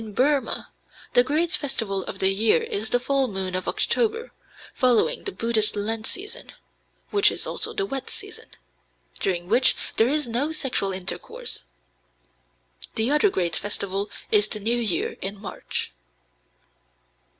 In Burmah the great festival of the year is the full moon of October, following the Buddhist Lent season (which is also the wet season), during which there is no sexual intercourse. The other great festival is the New Year in March.